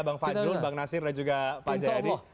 bang fajrul bang nasir dan juga pak jayadi